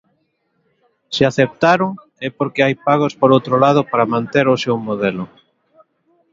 Se aceptaron é porque hai pagos por outro lado para manter o seu modelo.